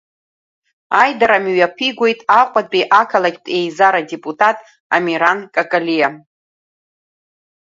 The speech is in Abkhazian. Аидара мҩаԥигоит Аҟәатәи ақалақьтә еизара адепутат Амиран Какалиа.